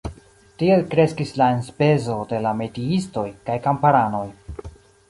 Tiel kreskis la enspezo de la metiistoj kaj kamparanoj.